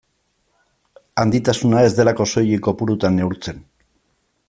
Handitasuna ez delako soilik kopurutan neurtzen.